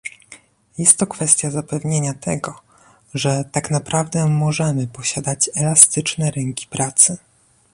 Jest to kwestia zapewnienia tego, że tak naprawdę możemy posiadać elastyczne rynki pracy